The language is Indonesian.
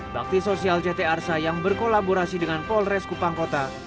bakti sosial jt arsha yang berkolaborasi dengan polres kupangkota